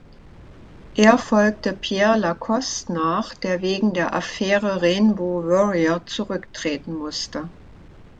Er folgte Pierre Lacoste nach, der wegen der "Affäre Rainbow Warrior" zurücktreten musste.